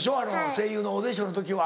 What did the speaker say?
声優のオーディションの時は。